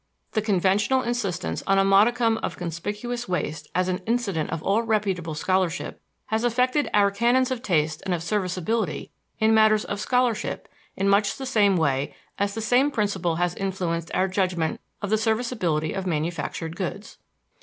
The conventional insistence on a modicum of conspicuous waste as an incident of all reputable scholarship has affected our canons of taste and of serviceability in matters of scholarship in much the same way as the same principle has influenced our judgment of the serviceability of manufactured goods.